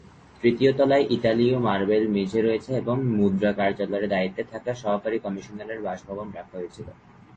তৃতীয় তলায় ইতালীয় মার্বেল মেঝে রয়েছে এবং মুদ্রা কার্যালয়ের দায়িত্বে থাকা সহকারী কমিশনারের বাসভবন রাখা হয়েছিল।